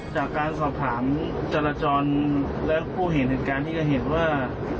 จากการสอบถามจรจรและผู้เห็นเหตุการณ์ที่จะเห็นว่า